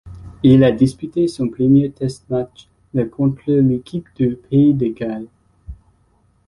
Il a disputé son premier test match le contre l'équipe du Pays de Galles.